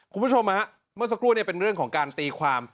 คุณผู้ชมฮะเมื่อสักครู่เป็นเรื่องของการตีความ